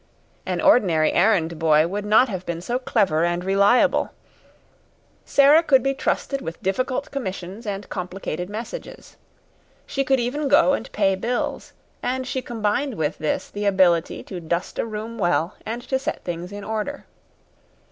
An ordinary errand boy would not have been so clever and reliable. Sara could be trusted with difficult commissions and complicated messages. She could even go and pay bills, and she combined with this the ability to dust a room well and to set things in order.